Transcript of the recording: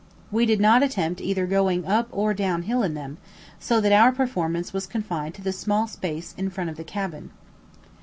We did not attempt either going up or down hill in them, so that our performance was confined to the small space in front of the cabin.